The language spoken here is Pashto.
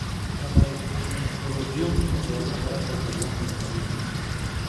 د مایکروبیوم متوازن حالت د خپګان مخنیوی کوي.